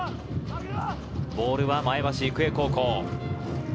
ボールは前橋育英高校。